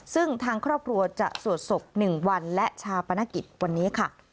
ซึ่งทางครอบครัวจะสวดศพ๑วันและชาปนกิจวันนี้ค่ะ